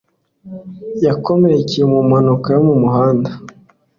yakomerekeye mu mpanuka yo mu muhanda